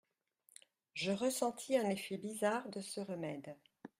Je ressentis un effet bizarre de ce remède.